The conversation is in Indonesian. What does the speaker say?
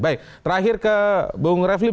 baik terakhir ke bung refli